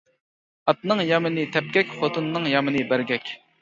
ئاتنىڭ يامىنى تەپكەك، خوتۇننىڭ يامىنى بەرگەك.